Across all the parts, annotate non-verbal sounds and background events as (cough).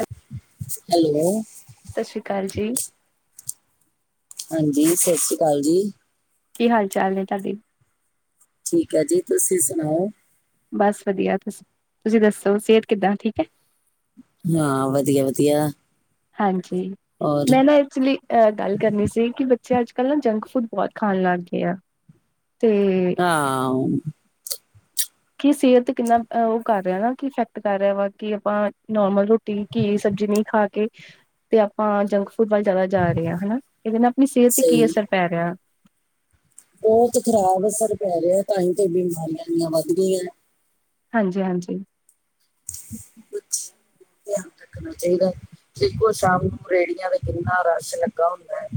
Hello, hello. ਸਤਿ ਸ਼੍ਰੀ ਅਕਾਲ ਜੀ। ਹਾਂਜੀ, ਸਤਿ ਸ਼੍ਰੀ ਅਕਾਲ ਜੀ। ਕੀ ਹਾਲ-ਚਾਲ ਨੇ ਤੁਹਾਡੇ? ਠੀਕ ਹੈ ਜੀ, ਤੁਸੀਂ ਸੁਣਾਓ? ਬਸ ਵਧੀਆ, ਤੁਸੀਂ ਦੱਸੋ ਸਿਹਤ ਕਿੱਦਾਂ ਠੀਕ ਹੈ। ਹਾਂ ਵਧੀਆ-ਵਧੀਆ। ਹਾਂਜੀ, ਮੈਂ ਨਾ ਐਕਚੁਲੀ ਅ ਗੱਲ ਕਰਨੀ ਸੀ ਕਿ ਬੱਚੇ ਅੱਜ-ਕੱਲ੍ਹ ਨਾ ਜੰਕ ਫੂਡ ਬਹੁਤ ਖਾਣ ਲੱਗ ਗਏ ਆ। ਤੇ ਹਾਂ। ਕਿ ਸਿਹਤ ਕਿੰਨਾ ਉਹ ਕਰ ਰਿਹਾ ਨਾ ਕਿ ਇਫੈਕਟ ਕਰ ਰਿਹਾ ਵਾ ਕਿ ਆਪਾਂ ਨੋਰਮਲ ਰੋਟੀ ਕੀ ਸਬਜ਼ੀ ਨਹੀਂ ਖਾ ਕੇ ਤੇ ਆਪਾਂ ਜੰਕ ਫੂਡ ਜ਼ਿਆਦਾ ਜਾ ਰਿਹੇਹਾ ਹਨਾ, ਇਹਦੇ ਨਾਲ ਆਪਣੀ ਸਿਹਤ ਤੇ ਕੀ ਸਹੀ ਅਸਰ ਪੈ ਰਿਹਾ। ਬਹੁਤ ਖਰਾਬ ਅਸਰ ਪੈ ਰਿਹਾ, ਤਾਂਹੀ ਤੇ ਬਿਮਾਰੀਆਂ ਦੀਆਂ ਵੱਧ ਗਈਆਂ। ਹਾਂਜੀ-ਹਾਂਜੀ। ਬੱਚਿਆਂ ਨੂੰ ਧਿਆਨ ਰੱਖਣਾ ਚਾਹੀਦਾ। ਦੇਖੋ ਸ਼ਾਮ ਨੂੰ ਰੇਹੜੀਆਂ ਦਾ ਕਿੰਨਾ ਰਸ਼ ਲੱਗਾ ਹੁੰਦਾ ਐ।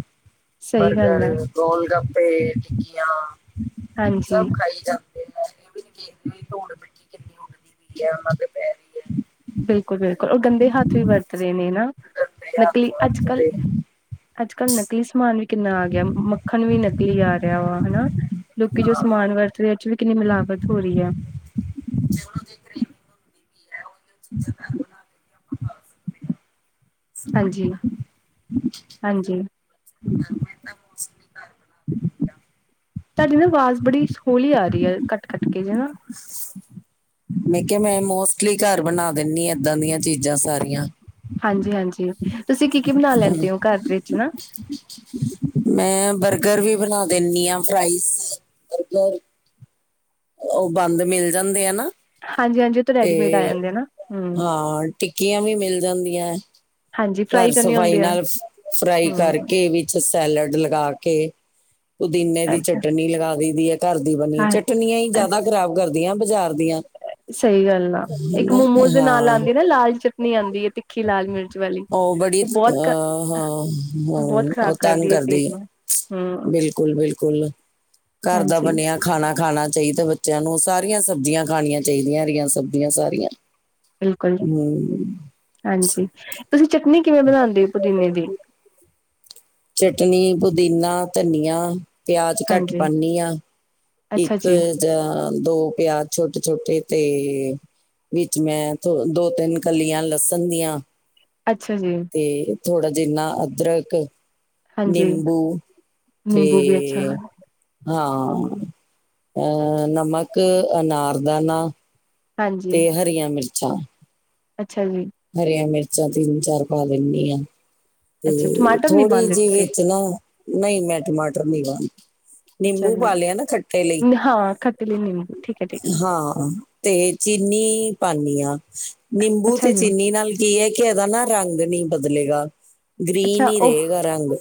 ਸਹੀ ਗੱਲ ਬਰਗਰ, ਹੈ ਗੋਲ ਗੱਪੇ, ਟਿੱਕੀਆਂ ਹਾਂਜੀ ਸਭ ਖਾਈ ਜਾ। ਇਹ ਵੀ ਨੀ ਕਹਿੰਦੇ ਧੋੜ ਮਿੱਟੀ ਕਿੰਨੀ ਉੱਡਦੀ ਪਈ ਹੈ ਉਹਨਾਂ ਦੇ ਬਿਲਕੁਲ-ਬਿਲਕੁਲ, ਉਹ ਗੰਦੇ ਹੱਥ ਵੀ ਵਰਤ ਰਹੇ ਨੇ ਨਾ ਨਕਲੀ ਅੱਜ-ਕੱਲ ਅੱਜ-ਕੱਲ੍ਹ ਨਕਲੀ ਸਮਾਨ ਵਿੱਚ ਕਿੰਨਾ ਆ ਗਿਆ। ਮੱਖਣ ਵੀ ਨਕਲੀ ਆ ਰਿਹਾ ਵਾ ਹਨਾ, ਲੋਕੀ ਜੋ ਸਮਾਨ ਵਰਤਦੇ। ਵੀ ਕਿੰਨੀ ਮਿਲਾਵਟ ਹੋ ਰਹੀ ਹੈ। (unintelligible) ਹਾਂਜੀ-ਹਾਂਜੀ। ਅੱ। ਤੁਹਾਡੀ ਨਾ ਆਵਾਜ਼ ਬੜੀ ਸਲੋਲੀ ਆ ਰਹੀ ਹੈ ਕੱਟ ਕੱਟ ਕੇ ਜਾ ਮੈਂ ਕਿਹਾ ਮੈਂ ਮੋਸਟਲੀ ਘਰ ਬਣਾ ਦਿੰਨੀ ਆ ਏਦਾਂ ਦੀਆਂ ਚੀਜ਼ਾਂ ਸਾਰੀਆਂ। ਹਾਂਜੀ-ਹਾਂਜੀ ਤੁਸੀਂ ਕੀ ਕੀ ਬਣਾ ਲੈਂਦੇ ਹੋ ਘਰ ਦੇ ਵਿੱਚ ਹਨਾ। ਮੈਂ ਬਰਗਰ ਵੀ ਬਣਾ ਦਿੰਦੀ ਆ, ਫਰਾਈਜ਼ ਬਰਗਰ। ਉਹ ਬੰਦ ਮਿਲ ਜਾਂਦੇ ਆ ਨਾ। ਹਾਂਜੀ ਹਾਂਜੀ ਉਹ ਤਾਂ ਤੇ ਰੈਡੀਮੇਡ ਆ ਜਾਂਦੇ ਨਾ ਹੂੰ ਹਾਂ ਟਿੱਕੀਆਂ ਵੀ ਮਿਲ ਜਾਂਦੀਆਂ। ਹਾਂਜੀ ਫਰਾਈ ਘਰ ਕਰਨੀ ਸਫ਼ਾਈ ਹੁੰਦੀ ਆ ਨਾਲ ਫਰਾਈ ਹੂੰ ਕਰਕੇ ਵਿੱਚ ਸੈਲਡ ਲਗਾ ਕੇ ਪੁਦੀਨੇ ਦੀ ਅੱਛਾ ਚਟਨੀ ਲਗਾ ਦੇ ਦੀ ਐ ਘਰ ਦੀ ਬਣੀ, ਹਾਂ ਚਟਨੀਆਂ ਹੀ ਜ਼ਿਆਦਾ ਖ਼ਰਾਬ ਕਰਦੀਆਂ ਬਾਜ਼ਾਰ ਦੀਆਂ। ਸਹੀ ਗੱਲ ਆ, ‌ ਇੱਕ ਹਨਾ ਮੋਮੋਜ਼ ਦੇ ਨਾਲ ਹਾਂ ਆਂਦੀ ਨਾ ਲਾਲ ਚਟਨੀ ਆਂਦੀ ਹੈ ਤੇ ਮੱਖੀ ਲਾਲ ਮਿਰਚ ਵਾਲੀ, ਬੜੀ ਉਹ ਬਹੁਤ ਅਹ, ਹਾਂ ਉਹ ਬਹੁਤ ਹਾਂ, ਖ਼ਰਾਬ ਕਰਦੀ ਹੈ ਪੇਟ ਨੂੰ। ਹੂੰ ਬਿਲਕੁਲ-ਬਿਲਕੁਲ ਘਰ ਦਾ ਹਾਂਜੀ ਬਣਿਆ ਖਾਣਾ ਖਾਣਾ ਚਾਹੀਦਾ। ਬੱਚਿਆਂ ਨੂੰ ਸਾਰੀਆਂ ਸਬਜ਼ੀਆਂ ਖਾਣੀਆਂ ਚਾਹੀਦੀਆਂ, ਰਹੀਆਂ ਸਬਜ਼ੀਆਂ ਸਾਰੀਆਂ। ਬਿਲਕੁਲ। ਹਮ ਹਾਂਜੀ, ਤੁਸੀਂ ਚਟਨੀ ਕਿਵੇਂ ਬਣਾਦੇ ਹੋ ਪੁਦੀਨੇ ਦੀ? ਚਟਨੀ ਪੁਦੀਨਾ, ਧਨੀਆ, ਪਿਆਜ ਘੱਟ ਹਾਂਜੀ, ਪਾਂਦੀ ਆ। ਅੱਛਾ ਇੱਕ ਜੀ, ਜਾਂ ਦੋ ਪਿਆਜ ਛੋਟੇ-ਛੋਟੇ ਤੇ ਵਿੱਚ ਮੈਂ ਥੋ ਦੋ-ਤਿੰਨ ਕਲੀਆਂ ਲਸਣ ਦੀਆਂ। ਅੱਛਾ ਜੀ। ਤੇ ਥੋੜਾ ਜਿੰਨਾ ਅਦਰਕ ਹਾਂਜੀ, ਨਿੰਬੂ ਤੇ ਨਿੰਬੂ ਵੀ ਅੱਛਾ ਹਾਂ, ਅਹ ਨਮਕ, ਅਨਾਰ ਦਾਨਾ ਹਾਂਜੀ, ਤੇ ਹਰੀਆਂ ਮਿਰਚਾਂ। ਅੱਛਾ ਜੀ। ਹਰੀਆਂ ਮਿਰਚਾਂ ਤਿੰਨ-ਚਾਰ ਪਾ ਦਿੰਦੀ ਆ। ਅੱਛਾ ਤੇ ਟਮਾਟਰ ਨੀ ਥੋੜ੍ਹੀ ਪਾਉਂਦੇ ਜਿਹੀ ਤੁਸੀਂ? ਵਿੱਚ ਨਾ, ਨਈ ਮੈਂ ਟਮਾਟਰ ਨਹੀਂ ਪਾਂਦੀ। ਅੱਛਾ ਨਿੰਬੂ ਜੀ, ਪਾ ਲਿਆ ਨਾ ਖੱਟੇ ਲਈ, ਹਾਂ ਖੱਟੇ ਲਈ ਨਿੰਬੂ ਠੀਕ ਹੈ, ਠੀਕ ਹੈ, ਹਾਂ। ਤੇ ਚੀਨੀ ਪਾਨੀ ਹਾਂ ਨਿੰਬੂ ਅੱਛਾ ਤੇ ਜੀ। ਚੀਨੀ ਨਾਲ ਕੀ ਹੈ ਕਿ ਇਹਦਾ ਨਾ ਰੰਗ ਨੀ ਬਦਲੇਗਾ ਗ੍ਰੀਨ ਅੱਛਾ ਹੀ ਉਹ ਰਹੇਗਾ ਰੰਗ।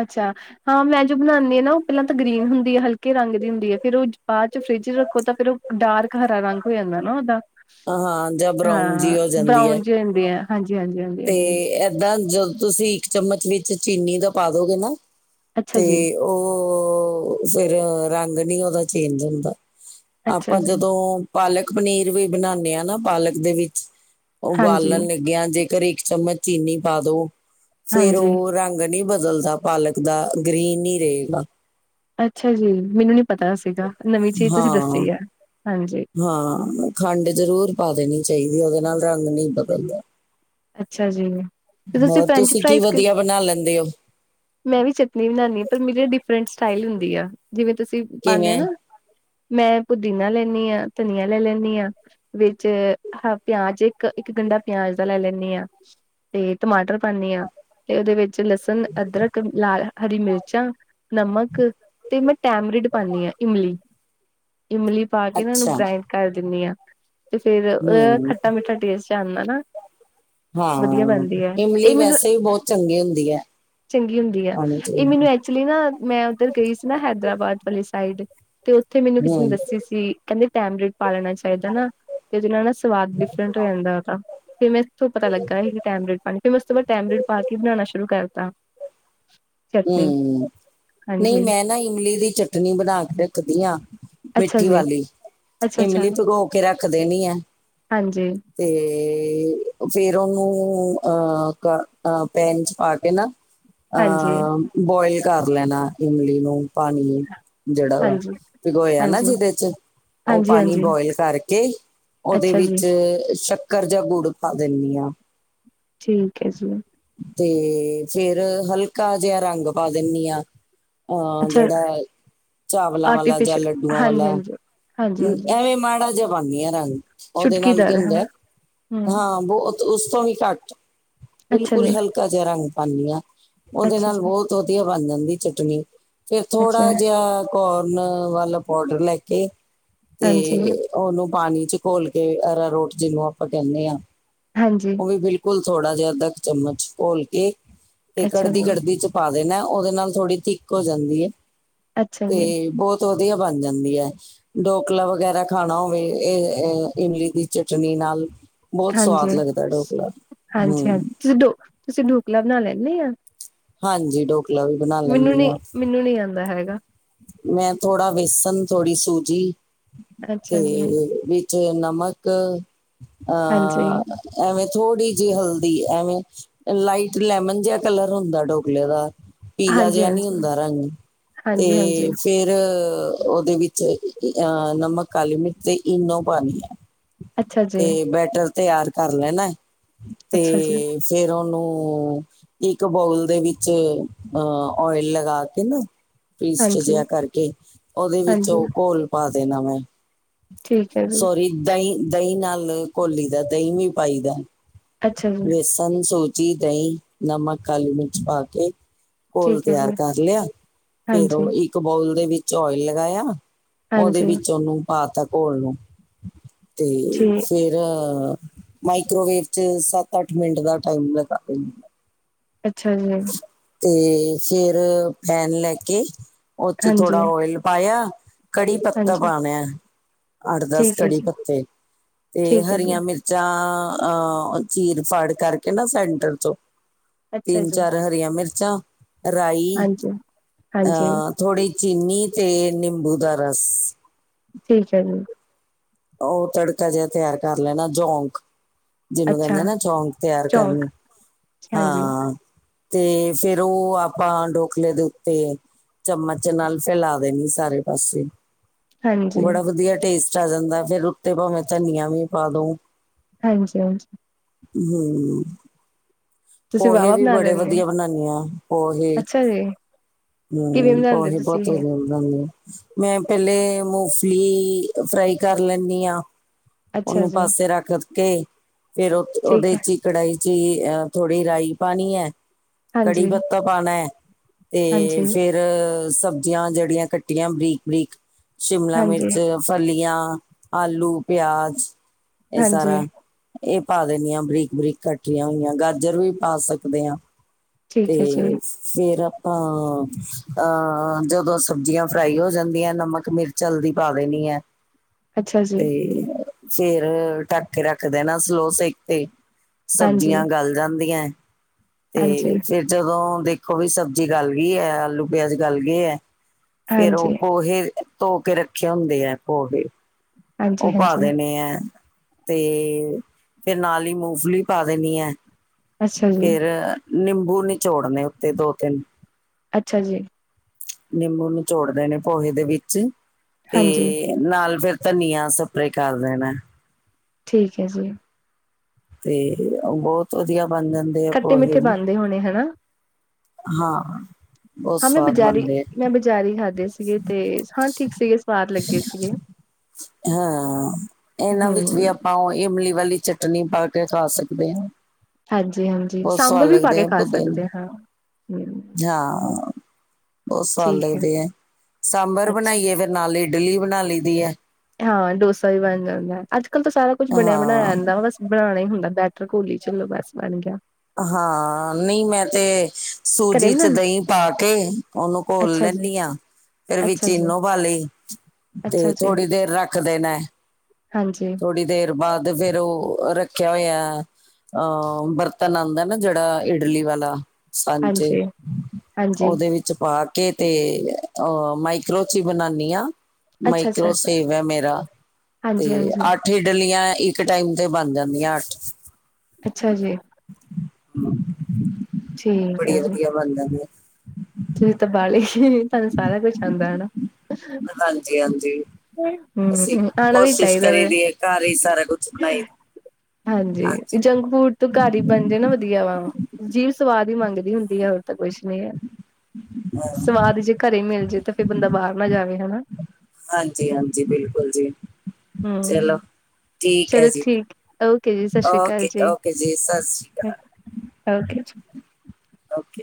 ਅੱਛਾ। ਹਾਂ ਮੈਂ ਜੋ ਬਣਾਉਂਦੀ ਹਾਂ ਨਾ ਉਹ ਪਹਿਲਾਂ ਤਾਂ ਗ੍ਰਰੀਨ ਹੁੰਦੀ ਹੈ ਹਲਕੇ ਰੰਗ ਦੀ ਹੁੰਦੀ ਹੈ ਫੇਿਰ ਉਹ ਬਾਅਦ ਚ ਫਰਿੱਜ ਰੱਖੋ ਤਾਂ ਫੇਰ ਉਹ ਡਾਰਕ ਹਰਾ ਰੰਗ ਹੋ ਜਾਂਦਾ ਨਾ ਉਹਦਾ। ਹਾਂ ਜਾਂ ਬਰਾਊਨ ਹਾਂ ਜੀ ਹੋ ਜਾਂਦੀ ਹੈ ਬਰਾਉਨ ਜਿ ਹੁੰਦੇ ਆ ਹਾਂਜੀ ਹਾਂਜੀ ਹਾਂਜੀ ਤੇ ਹਾਂਜੀ ਹਾਂਜੀ। ਏਦਾਂ ਜਦੋਂ ਤੁਸੀਂ ਇੱਕ ਚਮਚ ਵਿੱਚ ਚੀਨੀ ਦਾ ਪਾ ਦੋਗੇ ਨਾ ਅੱਛਾ ਤੇ ਜੀ, ਉਹ ਫੇਰ ਰੰਗ ਨੀ ਉਹਦਾ ਚੇਂਜ ਹੁੰਦਾ। ਅੱਛਾ ਆਪਾਂ ਜੀ, ਜਦੋਂ ਪਾਲਕ ਪਨੀਰ ਵੀ ਬਣਾਉਦੇ ਹਾਂ ਨਾ ਪਾਲਕ ਦੇ ਵਿੱਚ। ਹਾਂਜੀ, ਉਬਾਲਣ ਲੱਗਿਆ ਜੇਕਰ ਇੱਕ ਚਮਚ ਚੀਨੀ ਪਾ ਦੋ ਫੇਰ ਹਾਂਜੀ। ਉਹ ਰੰਗ ਨਹੀਂੀ ਬਦਲਦਾ ਪਾਲਕ ਦਾ ਗ੍ਰਰੀਨ ਨ ਰਹੇਗਾ। ਅੱਛਾ ਜੀ ਮੈਨੂੰ ਨੀ ਪਤਾ ਸੀਗਾ ਨਵੀਂ ਚੀਜ਼ ਤੁਸੀਂ ਹਾਂ ਦੱਸੀ ਹੈ ਹਾਂਜੀ। ਹਾਂ ਖੰਡ ਜ਼ਰੂਰ ਪਾ ਦੇਣੀ ਚਾਹੀਦੀ ਉਹਦੇ ਨਾਲ ਰੰਗ ਨਹੀਂ ਬਦਲਦਾ। ਅੱਛਾ ਜੀ। ਤੇ ਹੋਰ ਫਰੈਂਚ ਤੁਸੀਂ ਕੀ ਫਰਾਈਜ਼ ਕ ਵਧੀਆ ਬਣਾ ਲੈਂਦੇ ਹੋ। ਮੈਂ ਵੀ ਚਟਨੀ ਬਣਾਉਾਨਦੀ ਹਾਂ ਪਰ ਮੇਰੀ ਡਿਫਰੈਂਟ ਸਟਾਈਲ ਹੁੰਦੀ ਆ ਜਿਵੇਂ ਤੁਸੀਂ ਪਾਉਂਦੇ ਹੋ ਕਿਵੇਂ ਨਾ। ਮੈਂ ਪੁਦੀਨਾ ਲੈਨੀ ਹਾਂ ਧਨੀਆ ਲੈ ਲੈਂਨੀ ਹਾਂ। ਵਿੱਚ ਹਾਂ ਪਿਆਜ ਇੱਕ ਇੱਕ ਗੰਡਾ ਪਿਆਜ ਦਾ ਲੈ ਲੈਂਨੀ ਆ ਤੇ ਟਮਾਟਰ ਪਾਉਨੀ ਹਾਂ ਤੇ ਉਹਦੇ ਵਿੱਚ ਲਸਣ ਅਦਰਕ ਲਾਲ ਹਰੀ ਮਿਰਚਾਂ ਨਮਕ ਤੇ ਮੈਂ ਟੈਮਰਿਡ ਪਾਉਦੀ ਹਾਂ ਇਮਲੀ ਇਮਲੀ। ਪਾ ਕੇ ਨਾ ਉਹਨੂੰ ਅੱਛਾ ਗ੍ਰਾਇੰਡ ਕਰ ਦਿੰਦੀ ਆਾਂ ਤੇ ਫੇਰ ਹੂੰ ਖੱਟਾ ਮਿੱਠਾ ਟੇਸਟ ਆਉਂਦਾ ਨਾ। ਵਧੀਆ ਹਾਂ ਬਣਦੀ ਹੈ ਇਮਲੀ ਇਹ ਮੈਨੂੰ ਵੈਸੇ ਵੀ ਬਹੁਤ ਚੰਗੀ ਹੁੰਦੀ ਹੈ ਚੰਗੀ ਹੁੰਦੀ ਆ ਖਾਣੀ ਇਹ ਚਾਹੀਦੀ ਮੈਨੂੰ ਐਕਚੁਲੀ ਨਾ ਮੈਂ ਉੱਧਰ ਗਈ ਸੀ ਨਾ ਹੈਦਰਾਬਾਦ ਵਾਲੇ ਸਾਈਡ ਤੇ ਉੱਥੇ ਮੈਨੂੰ ਕਿਸੇ ਨੇ ਹੂੰ ਦੱਸੀ ਸੀ। ਕਹਿੰਦੇ ਟੈਮਰਿੰਡ ਪਾ ਲੈਣਾ ਚਾਹੀਦਾ ਨਾ ਤੇ ਉਹਦੇ ਨਾਲ ਨਾ ਸਵਾਦ ਡਿਫਰੈਂਟ ਹੋ ਜਾਂਦਾ ਹੈਗਾ। ਫਿਰ ਮੈਂ ਤੋਂ ਪਤਾ ਲੱਗਾ ਸੀ ਟੈਮਰਿੰਡ ਪਾਣੀ ਫਿਰ ਮੈਂ ਉਸ ਤੋਂ ਬਾਅਦ ਟੈਮਰਿੰਡ ਪਾ ਕੇ ਬਣਾਉਣਾ ਸ਼ੁਰੂ ਕਰਤਾ। ਚਟਨੀ। ਹਮ ਨਹੀਂ ਹਾਂਜੀ ਮੈਂ ਨਾ ਇਮਲੀ ਦੀ ਚਟਨੀ ਬਣਾ ਕੇ ਰੱਖਦੀ ਹਾਂ। ਅੱਛਾ ਮਿੱਠੀ ਜੀ ਵਾਲੀ ਅੱਛਾ-ਅੱਛਾ ਇਮਲੀ ਭਕੋ ਕੇ ਰੱਖ ਦੇਣੀ ਹੈ। ਤੇ ਤੇ ਫੇਰ ਉਹਨੂੰ ਅਹ ਪੈਨ ਚ ਪਾ ਕੇ ਨਾ। ਹਾਂਜੀ-ਹਾਂਜੀ, ਅਹ ਬੋਇਲ ਕਰ ਲੈਣਾ ਇਮਲੀ ਨੂੰ। ਪਾਣੀ ਜਿਹੜਾ ਵਾ ਭਿਗੋਇਆ ਨਾ ਹਾਂਜੀ-ਹਾਂਜੀ, ਜਿਹਦੇ ਚ ਉਹ ਪਾਣੀ ਹਾਂਜੀ-ਹਾਂਜੀ ਬੋਆਇਲ ਕਰਕੇ ਉਹਦੇ ਅੱਛਾ ਜੀ ਵਿੱਚ ਸ਼ਕ ਰ ਜ਼ਾ ਗੁੜ ਪਾ ਦਿੰਦੀ ਹਾਂ। ਠੀਕ ਹੈ ਜੀ। ਤੇ ਫੇਿਰ ਹਲਕਾ ਜਿਹਾ ਰੰਗ ਪਾ ਦਿੰਦੀ ਹਾਂ। ਹਾਂ ਅੱਛਾ ਜਿਹੜਾ ਚਾਵਲਾਂ ਵਾਲਾ ਜਾਂ ਆਰਟੀਫਿਸ਼ਲ ਲੱਡੂਆਂ ਹਾਂਜੀ ਵਾਲਾ। ਹਾਂਜੀ ਹਾਂਜੀ ਹਾਂਜੀ ਐਵੇਂ ਮਾੜਾ ਜਿਹਾ ਪਾਉਂਦੀ ਹ ਰੰਗ ਉਹਦੇ ਨਾਲ ਕੀ ਚੁਟਕੀਦਾਰ ਹਨਾ ਹੁੰਦਾ ਹਮ ਹਾਂ ਬਹੁ ਉਸ ਤੋਂ ਵੀ ਘੱਟ ਅੱਛਾ ਬਿਲਕੁਲ ਜੀ ਹਲਕਾ ਜਿਹਾ ਰੰਗ ਪਾਉਦੀ ਹਾਂ। ਉਹਦੇ ਅੱਛਾ ਨਾਲ ਜੀ ਬਹੁਤ ਵਧੀਆ ਬਣ ਜਾਂਦੀ ਚਟਨੀ ਫੇਰ ਅੱਛਾ ਥੋੜਾ ਜਿਹਾ ਕੋਰਨ ਵੱਲ ਪਾਊਡਰ ਲੈ ਕੇ ਤੇ ਹਾਂਜੀ ਉਹਨੂੰ ਪਾਣੀ ਚ ਘੋਲ ਕੇ ਐਰਾਰੂਟ ਜਿਹਨੂੰ ਆਪਾਂ ਕਹਿੰਦੇ ਹਾਂ। ਹਾਂਜੀ। ਉਹ ਵੀ ਬਿਲਕੁਲ ਥੋੜਾ ਜਿਹਾ ਅੱਧਾ ਕੁ ਚਮਚ ਘੋਲ ਕੇ ਤੇ ਅੱਛਾ ਕੜਦੀ ਜੀ ਕੜਦੀ ਚ ਪਾ ਦੇਣਾ ਉਹਦੇ ਨਾਲ ਥੋੜ੍ਹੀ ਥਿੱਕ ਹੋ ਜਾਂਦੀ ਹੈ ਅੱਛਾ ਜੀ ਤੇ ਬਹੁਤ ਵਧੀਆ ਬਣ ਜਾਂਦੀ ਹੈ। ਢੋਕਲਾ ਵਗੈਰਾ ਖਾਣਾ ਹੋਵੇ ਇਹ ਇਮਲੀ ਦੀ ਚਟਨੀ ਨਾਲ। ਬਹੁਤ ਹਾਂਜੀ ਸਵਾਦ ਲੱਗਦਾ ਡੋਕਲਾ ਹਾਂਜੀ ਹਮ ਹਾਂਜੀ ਤੁਸੀਂ ਡੋ ਤੁਸੀਂ ਡੋਕਲਾ ਬਣਾ ਲੈਂਦੇ ਆ। ਹਾਂਜੀ ਡੋਕਲਾ ਵੀ। ਬਣਾ ਮੈਨੂੰ ਲੈਂਦੀ ਨੀ ਹਾਂ ਮੈਨੂੰ ਨੀ ਆਉਂਦਾ ਹੈਗਾ। ਮੈਂ ਥੋੜਾ ਬੇਸਣ ਥੋੜੀ ਸੂਜੀ ਤੇ ਅੱਛਾ ਜੀ ਵਿੱਚ ਜੇ ਨਮਕ ਅਹ। ਹਾਂਜੀ ਐਵੇਂ ਥੋੜ੍ਹੀ ਜਿਹੀ ਹਲਦੀ ਐਵੇਂ ਲਾਈਟ ਲੈਮਨ ਜਿਹਾ ਕਲਰ ਹੁੰਦਾ। ਢੋਕਲੇ ਦਾ ਪੀਲਾ ਹਾਂਜੀ ਜਿਹਾ ਨਹੀਂ ਹਾਂਜੀ ਹੁੰਦਾ ਰੰਗ ਤੇ ਹਾਂਜੀ ਹਾਂਜੀ ਫਿਰ ਉਹਦੇ ਵਿੱਚ ਨਮਕ ਕਾਲੀ ਮਿਰਚ ਤੇ ਇਨੋ ਪਾਉਣੀ ਹੈ। ਅੱਛਾ ਜੀ ਤੇ ਬੈਟਰ ਤਿਆਰ ਕਰ ਲੈਣਾ ਤੇ ਅੱਛਾ ਜੀ ਫੇਰ ਉਹਨੂੰ ਇੱਕ ਬੋਊਲ ਦੇ ਵਿੱਚ ਅ ਓਇਲ ਲਗਾ ਕੇ ਨਾ ਪਰੀਸਟ ਹਾਂਜੀ ਜਿਹਾ ਕਰਕੇ ਉਹਦੇ ਵਿੱਚ ਹਾਂਜੀ ਉਹ ਘੋਲ ਪਾ ਦੇਣਾ ਵੈ। ਠੀਕ ਹੈ ਜੀ ਸੋਰੀ ਦਹੀਂ ਦਹੀਂ ਨਾਲ ਘੋਲੀ ਦਾ ਦਹੀਂ ਵੀ ਪਾਈ ਦਾ। ਅੱਛਾ ਜੀ ਬੇਸਨ ਸੂਜੀ ਦਹੀਂ ਨਮਕ ਕਾਲੀ ਮਿਰਚ ਪਾ ਕੇ ਘੋਲ ਠੀਕ ਹੈ ਤਿਆਰ ਜੀ ਕਰ ਲਿਆ ਫੇਰ ਹਾਂਜੀ ਉਹ ਇੱਕ ਬਾਊਲ ਦੇ ਵਿੱਚ ਓਇਲ ਲਗਾਇਆ। ਉਹਦੇ ਹਾਂਜੀ ਵਿੱਚ ਉਹਨੂੰ ਪਾ ਤਾ ਘੋਲ ਨੂੰ ਤੇ ਠੀਕ ਫਿਰਰ ਮਾਈਕ੍ਰੋਵੇਵ ਚ ਸੱਤ ਅੱਠ ਮਿੰਟ ਦਾ ਟਾਈਮ ਲਗਾ ਦਾ ਅੱਛਾ ਜੀ। ਤੇ ਫੇਰ ਪੈਨ ਲੈਕੇ ਉਹ ਚ ਹਾਂਜੀ ਥੋੜਾ ਓਇਲ ਪਾਇਆ। ਕੜੀ ਪੱਤਾ ਹਾਂਜੀ ਪਾਣਾ ਅੱਠ ਦਸ ਠੀਕ ਹੈ ਕੜੀ ਜੀ, ਪੱਤੇ ਤੇ ਠੀਕ ਹੈ ਜੀ। ਹਰੀਆਂ ਮਿਰਚ ਜਾਂ ਅ ਚੀਰ ਫੜ ਕਰਕੇ ਨਾ ਸੈਂਟਰ ਤੋਂੋਂ' ਅੱਛਾ ਜੀ। ਹਰੀਆਂ ਮਿਰਚਾਂ ਰਾਈ ਹਾਂਜੀ, ਹਾਂਜੀ ਅਹ ਥੋੜੀ। ਚੀਨੀ ਤੇ ਨਿੰਬੂ ਦਾ ਰਸ। ਠੀਕ ਹੈ ਜੀ। ਉਹ ਤੜਕਾ ਜਿਹਾ ਤਿਆਰ ਕਰ ਲੈਣਾ ਝੋਂਕ। ਜਿਹਨੂੰ ਅੱਛਾ ਕਹਿੰਦੇ ਨਾ ਝੋਂਕ ਤਿਆਰ ਚੌਕ ਕਰਨੀ ਹਾਂਜੀ, ਹਾਂ। ਤੇ ਫੇਰ ਉਹ ਆਪਾਂ ਢੋਕਲੇ ਦੇ ਉੱਤੇ ਚਮਚ ਨਾਲ ਫੈਲਾ ਦੇਣੀ ਸਾਰੇ ਪਾਸੇ। ਹਾਂਜੀ। ਬੜਾ ਵਧੀਆ ਟੇਸਟ ਆ ਜਾਂਦਾ ਫੇਰ ਉੱਤੇ ਭਾਵੇਂ ਧਨੀਆ ਵੀ ਪਾ ਦਊ। ਹਾਂਜੀ ਹਾਂਜੀ। ਹੂੰ ਤੁਸੀਂ ਪੋਹੇ ਵਾਹਵਾ ਵੀ ਬਣਾ ਬੜੇ ਲੈਂਦੇ ਹੋ, ਵਧੀਆ ਬਨਾਂਦੀ ਹ ਪੋਹੇ। ਅੱਛਾ ਜੀ ਕਿਵੇਂ ਹੂੰ ਬਣਾਉਂਦੇ ਉਹੀ ਤੁਸੀਂ ਬਹੁਤ ਇਹ? ਜ ਮੈਂ ਪਹਿਲੇ ਮੂੰਗਫਲੀ ਫਰਾਈ ਕਰ ਲੈਂਦੀ ਆਂ। ਅੱਛਾ ਉਹਨੂੰ ਜੀ, ਪਾਸੇ ਰੱਖ ਕੇ ਫੇਰ ਠੀਕ ਉਹਦੇ ਹੈ, ਚ ਹੀ ਕੜਾਹੀ ਚ ਹੀ ਆ। ਥੋੜ੍ਹੀ ਰਾਈ ਪਾਣੀ ਹੈ ਕੜੀ ਹਾਂਜੀ, ਪੱਤਾ ਪਾਣਾ ਹੈ ਤੇ ਹਾਂਜੀ, ਫੇਰ ਫ ਸਬਜ਼ੀਆਂ ਜਿਹੜੀਆਂ ਕੱਟੀਆਂ ਬਰੀਕ ਬਰੀਕ ਸ਼ਿਮਲਾ ਹਾਂਜੀ, ਮਿਰਚ ਫਲੀਆਂ ਆਲੂ ਪਿਆਜ ਇਹ ਹਾਂਜੀ। ਸਾਰਾ ਇਹ ਪਾ ਦੇਣੀ ਆ ਬਰੀਕ ਬਰੀਕ ਕੱਟਰੀਆਂ ਹੋਈਆਂ ਗਾਜਰ ਵੀ ਪਾ ਸਕਦੇ ਹਾਂ। ਠੀਕ ਹੈ ਜੀ, ਤੇ ਫੇਰ ਆਪਾਂ ਅਹ ਜਦੋਂ ਸਬਜ਼ੀਆਂ ਫਰਾਈ ਹੋ ਜਾਂਦੀਆਂ ਨਮਕ ਮਿਰਚ ਚ ਹਲਦੀ ਪਾ ਦੇਣੀ ਐ। (unintelligible) ਜੀ, ਤੇ ਫੇਰ ਢੱਕ ਰੱਖਦੇ ਨਾ ਸਲੋ ਸੇਕ ਤੇ ਹਾਂਜੀ, ਸਬਜ਼ੀਆਂ ਗਲ ਜਾਂਦੀਆਂ ਤੇ ਹਾਂਜੀ, ਫਿਰ ਜਦੋਂ ਦੇਖੋ ਵੀ ਸਬਜ਼ੀ ਗੱਲ ਗਈ ਹੈ ਆਲੂ ਪਿਆਜ ਗੱਲ ਗਏ ਐ। ਫੇਰ ਉਹ ਹਾਂਜੀ। ਪੋਹੇ ਧੋ ਕੇ ਰੱਖੇ ਹੁੰਦੇ ਆ ਪੋਹੇ ਹਾਂਜੀ, ਉਹ ਪਾ ਹਾਂਜੀ, ਦੇਣੇ ਐ। ਤੇ ਫੇਰ ਨਾਲ ਹੀ ਮੂੰਗਫਲੀ ਪਾ ਦੇਣੀ ਐ ਅੱਛਾ ਜੀ, ਫੇਰ ਨਿੰਬੂ ਨੀਚੋੜਨੇ ਉੱਤੇ ਦੋ ਤਿੰਨ ਅੱਛਾ ਜੀ ਨਿੰਬੁ ਨੂੰ ਨੀਚੋੜ ਦੇਨੇ ਪੋਹੇ ਦੇ ਵਿੱਚ ਤੇ ਹਾਂਜੀ, ਨਾਲ ਫੇਰ ਧਨੀਆ ਸਪ੍ਰੇ ਕਰਦੇਣੇ ਠੀਕ ਹੈ ਜੀ ਤੇ ਉਹ ਬਹੁਤ ਵਧੀਆ ਬਣਦੇ ਖੱਟੇ ਮਿੱਠੇ ਬਣਦੇ ਹੋਣੇ ਹੈਨਾ ਹਾਂ ਬਹੁਤ ਹਾਂ ਮੈਂ ਸਵਾਦ ਬਜ਼ਾਰੀ ਬਣਦੇ ਆ। ਮੈਂ ਬਜ਼ਾਰੀ ਖਾਧੇ ਸੀਗੇ ਤੇ ਹਾਂ ਠੀਕ ਸੀਗੇ ਸਵਾਦ ਲੱਗੇ ਸੀਗੇ ਹਾਂ ਇਹਨਾਂ ਵਿੱਚ ਵੀ ਹੂੰ ਆਪ ਪਾਓ ਇਮਲੀ ਵਾਲੀ ਚਟਨੀ ਪਾ ਕੇ ਖਾ ਸਕਦੇ ਹਾਂ ਹਾਂਜੀ -ਹਾਂਜੀ ਬਹੁਤ ਸਵਾਦ ਸਾਂਬਰ ਵੀ ਪਾ ਲੱਗਦੇ ਕੇ ਆ ਖਾ ਪੁਦੀਨੇ ਸਕਦੇ ਹਾਂ ਹਾਂ ਬਹੁਤ ਸਵਾਦ ਲੱਗਦੇ ਹੈ ਸਾਂਬਰ ਅੱਛਾ ਬਣਾਈਏ ਫੇਰ ਨਾਲ ਇਡਲੀ ਬਣਾ ਲਈ ਦੀ ਹੈ ਹਾਂ ਡੋਸਾ ਵੀ ਬਣ ਜਾਂਦਾ ਅੱਜ ਕੱਲ੍ਹ ਤਾਂ ਸਾਰਾ ਕੁੱਛ ਬਣਿਆ ਹਾਂ। ਬਣਾਇਆ ਜਾਂਦਾ ਵ ਬਸ ਬਣਾਉਣਾ ਹੀ ਹੁੰਦਾ ਬੈਟਰ ਘੋਲੀ ਚਲੋ ਬਸ ਬਣ ਗਿਆ ਹਾਂ ਨਹੀਂ ਮੈਂ ਤੇ ਘਰੇ ਸੂਜੀ ਚ ਬਣਾਣਾ ਦਹੀਂ ਪਾ ਕੇ ਉਹਨੂੰ ਘੋਲ ਅੱਛਾ ਜੀ ਲੈਂਨੀ ਹਾਂ ਫਿਰ ਵੀਚ ਅੱਛਾ ਜੀ ਈਨੋ ਪਾਲੀ ਅੱਛਾ ਤੇ ਥੋੜ੍ਹੀ ਦੇਰ ਰੱਖਦੇਨਾ ਹਾਂਜੀ ਥੋੜੀ ਦੇਰ ਬਾਅਦ ਫੇਰ ਉਹ ਰੱਖਿਆ ਹੋਇਆ ਅਹ ਬਰਤਨ ਆਉਂਦਾ ਨਾ ਜਿਹੜਾ ਜਿਹੜਾ ਇਡਲੀ ਵਾਲਾ ਸਾਂਚੇ ਹਾਂਜੀ-ਹਾਂਜੀ-ਹਾਂਜੀ ਉਹਦੇ ਵਿੱਚ ਚ ਪਾ ਕੇ ਤੇ ਅ ਮਾਈਕਰੋ ਚ ਹੀ ਬਣਾਉਦੀ ਹ ਅੱਛਾ-ਅੱਛਾ ਅੱਛਾ ਮਾਈਕਰੋਸੇਵ ਹੈ ਮੇਰਾ ਤੇ ਹਾਂਜੀ-ਹਾਂਜੀ ਇਹਡਲੀਆਂ ਇੱਕ ਟਾਈਮ ਤੇ ਬਣ ਜਾਂਦੀਆਂ ਅੱਠ ਅੱਛਾ ਜੀ ਠੀਕ ਬੜੀ ਹੈ ਜੀ ਵਧੀਆ ਬਣ ਜਾਂਦੀਆ ਤਾਂ ਬਾਲੇ ਨ ਤੁਹਾਨੂੰ ਸਾਰਾ ਕੁਛ ਆਉਂਦਾ ਹੈ ਹਾਂਜੀ -ਹਾਂਜੀ ਅਸੀਂ ਹੂੰ ਆਣਾ ਵੀ ਕੋਸ਼ਿਸ਼ ਚਾਹੀਦਾ ਵੈਸੇ ਕਰੀ ਦੀਏ ਘਰ ਹੀ ਸਾਰਾ ਕੁਛ ਬਣਾਈ ਹਾਂਜੀ ਜੰਕ ਫੂਡ ਤੋਂ ਘਰ ਹੀ ਬਣ ਜੇ ਵਧੀਆ ਵਾ ਜੀਭ ਸਵਾਦ ਹੀ ਮੰਗਦੀ ਹੁੰਦੀ ਹੈ ਹੋਰ ਤਾਂ ਕੁਛ ਨੀ ਹੈ। ਸਵਾਦ ਜੇ ਘਰੇ ਮਿਲ ਜਾਵੇ ਤਾਂ ਫਿਰ ਬੰਦਾ ਬਾਹਰ ਨਾ ਜਾਵੇ ਹਨਾ ਹਾਂਜੀ -ਹਾਂਜੀ ਬਿਲਕੁਲ ਜੀ ਚਲੋ ਹੂੰ। ਠੀਕ ਹੈ ਚਲੋ ਜੀ ਠੀਕ, ਓਕੇ ਜੀ ਸਤਿ ਸ੍ਰੀ ਅਕਾਲ ਓਕੇ -ਓਕੇ ਜੀ ਸਤਿ ਸ਼੍ਰੀ ਅਕਾਲ ਓਕੇ ਜੀ ਓਕੇ